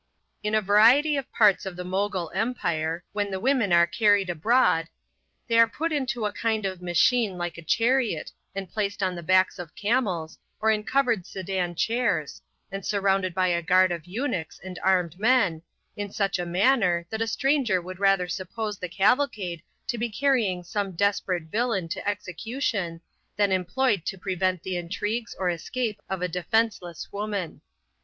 In a variety of parts of the Mogul empire, when the women are carried abroad, they are put into a kind of machine like a chariot, and placed on the backs of camels, or in covered sedan chairs, and surrounded by a guard of eunuchs and armed men, in such a manner, that a stranger would rather suppose the cavalcade to be carrying some desperate villain to execution, than employed to prevent the intrigues or escape of a defenceless woman.